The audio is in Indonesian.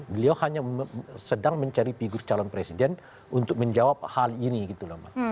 beliau hanya sedang mencari figur calon presiden untuk menjawab hal ini gitu loh mbak